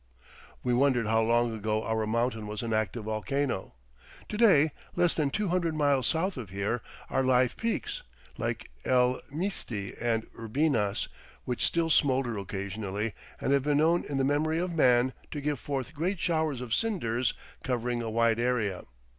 We wondered how long ago our mountain was an active volcano. To day, less than two hundred miles south of here are live peaks, like El Misti and Ubinas, which still smolder occasionally and have been known in the memory of man to give forth great showers of cinders covering a wide area.